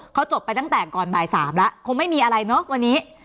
เขาจบไปตั้งแต่ก่อนบ่าย๓แล้วคงไม่มีอะไรเนอะวันนี้